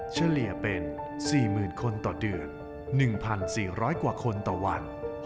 เฉลี่ยเป็น๔๐๐๐คนต่อเดือน๑๔๐๐กว่าคนต่อวัน